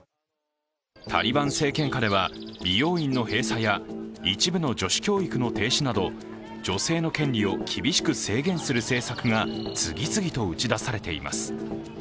タリバン政権下では、美容院の閉鎖や、一部の女子教育の停止など女性の権利を厳しく制限する政策が次々と打ち出されています。